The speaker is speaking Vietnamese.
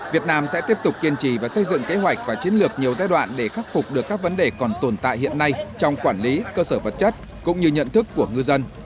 việt nam sẽ tiếp tục kiên trì và xây dựng kế hoạch và chiến lược nhiều giai đoạn để khắc phục được các vấn đề còn tồn tại hiện nay trong quản lý cơ sở vật chất cũng như nhận thức của ngư dân